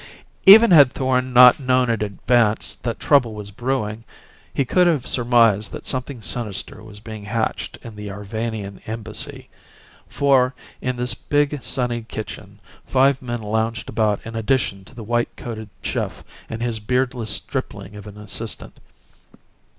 Even had Thorn not known in advance that trouble was brewing, he could have surmised that something sinister was being hatched in the Arvanian Embassy. For, in this big sunny kitchen five men lounged about in addition to the white coated chef and his beardless stripling of an assistant.